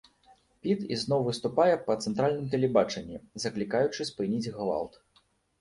Піт ізноў выступае па цэнтральным тэлебачанні, заклікаючы спыніць гвалт.